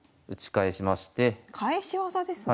返し技ですね。